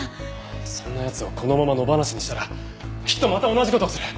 そんな奴をこのまま野放しにしたらきっとまた同じ事をする。